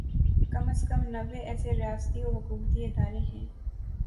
کم از کم نوے ایسے ریاستی و حکومتی ادارے ہیں